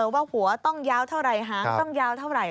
ว่าหัวต้องยาวเท่าไหร่หางต้องยาวเท่าไหร